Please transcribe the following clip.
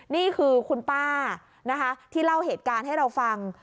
นี่คือคุณป้านะคะที่เล่าเหตุการณ์ให้เราฟัง